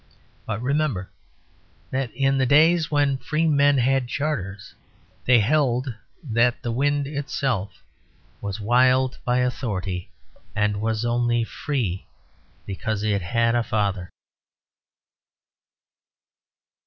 But remember that in the days when free men had charters, they held that the wind itself was wild by authority; and was only free because it had a father.